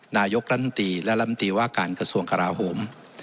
นายกรัฐมนตรีและลำตีว่าการกระทรวงกราโหม